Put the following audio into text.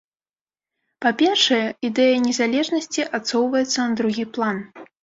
Па-першае, ідэя незалежнасці адсоўваецца на другі план.